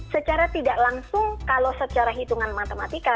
secara tidak langsung kalau secara hitungan matematika